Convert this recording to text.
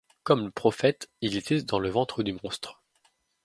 Comme le prophète, il était dans le ventre du monstre.